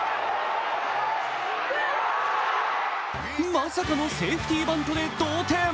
まさかのセーフティーバントで同点。